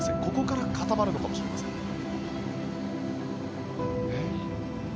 ここから固まるのかもしれません。